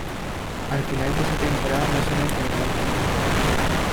Al final de esa temporada no se le renovó el contrato.